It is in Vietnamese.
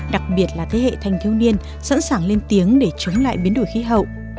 đặc biệt là thế hệ thanh thiếu niên sẵn sàng lên tiếng để chống lại biến đổi khí hậu